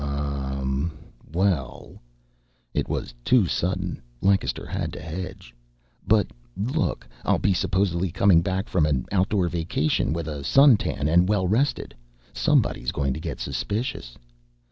"Ummm well " It was too sudden. Lancaster had to hedge. "But look I'll be supposedly coming back from an outdoor vacation, with a suntan and well rested. Somebody's going to get suspicious."